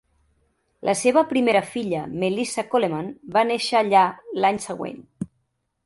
La seva primera filla, Melissa Coleman, va néixer allà l'any següent.